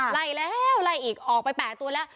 ไล่แล้วไล่อีกออกไป๘ตัวแล้ว